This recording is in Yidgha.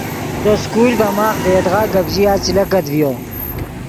دے سکول ڤے ماخ دے یدغا گپ ژیا چے لکت ڤیو